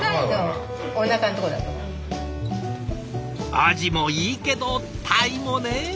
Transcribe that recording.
アジもいいけどタイもね！